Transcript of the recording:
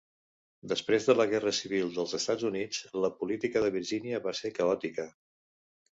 Després de la Guerra Civil dels Estats Units, la política de Virgínia va ser caòtica.